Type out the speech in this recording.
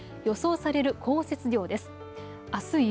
予想される降雪量です。